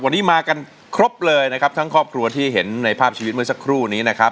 วันนี้มากันครบเลยนะครับทั้งครอบครัวที่เห็นในภาพชีวิตเมื่อสักครู่นี้นะครับ